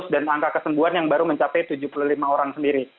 dan angka kesembuhan yang baru mencapai tujuh puluh lima orang sendiri